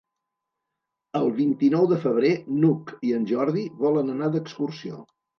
El vint-i-nou de febrer n'Hug i en Jordi volen anar d'excursió.